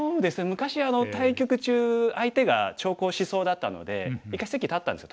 昔対局中相手が長考しそうだったので一回席立ったんです